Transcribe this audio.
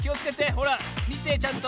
ほらみてちゃんと。